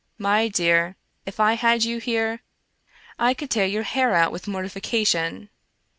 My dear, if I had you here, I could tear your hair out with mortification.